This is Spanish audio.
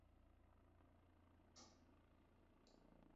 Le Cloître-Pleyben